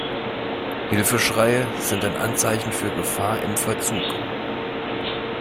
Hilfeschreie sind ein Anzeichen für Gefahr im Verzug.